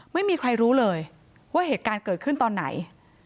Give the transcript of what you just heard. ไม่มีใครรู้เลยว่าเหตุการณ์เกิดขึ้นตอนไหน